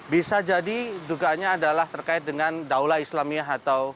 bisa jadi dugaannya adalah terkait dengan daulah islamiyah